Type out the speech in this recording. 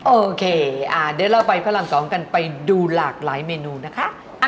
โอเคเดี๋ยวเราไปพระราม๒กันไปดูหลากหลายเมนูนะคะ